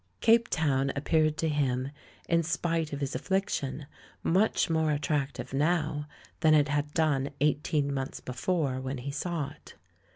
Cape Town appeared to him, in spite of his affliction, much more attractive now than it had done eighteen months before, when he saw it.